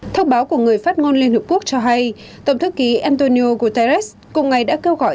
thông báo của người phát ngôn liên hợp quốc cho hay tổng thư ký antonio guterres cùng ngày đã kêu gọi